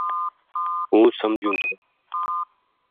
ہوں سمجھوں تھو